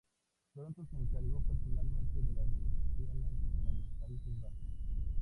Pronto se encargó personalmente de las negociaciones con los Países Bajos.